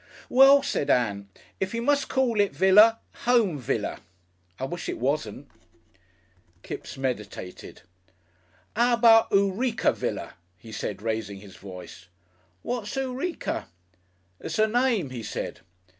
"Well," said Ann, "if you must call it Villa Home Villa.... I wish it wasn't." Kipps meditated. "'Ow about Eureka Villa?" he said, raising his voice. "What's Eureka?" "It's a name," he said.